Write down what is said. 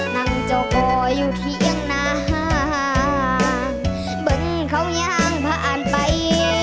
นังเจ้าก็อยู่เถียงน้างเปิ้ลเขายังผ่านไป